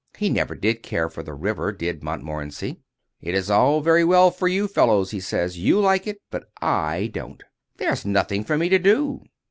He never did care for the river, did Montmorency. "It's all very well for you fellows," he says; "you like it, but I don't. There's nothing for me to do.